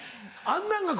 あんなんが。